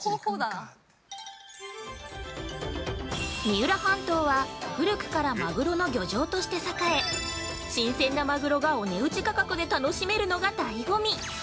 ◆三浦半島は古くからまぐろの漁場として栄え、新鮮なまぐろがお値打ち価格で楽しめるのがだいご味！